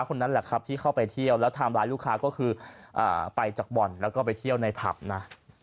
คนนั้นแหละครับที่เข้าไปเที่ยวแล้วทำร้ายลูกค้าก็คือไปจากบ่อนแล้วก็ไปเที่ยวในผับนะ